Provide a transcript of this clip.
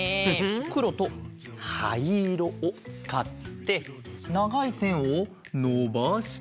くろとはいいろをつかってながいせんをのばして。